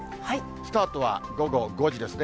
スタートは午後５時ですね。